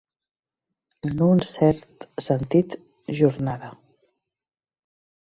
En un cert sentit, jornada.